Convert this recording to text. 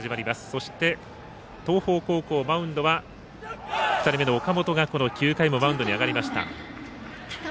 そして、東邦高校マウンドは２人目の岡本がこの９回もマウンドに上がりました。